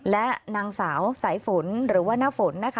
และนางสาวสายฝนหรือว่าณฝน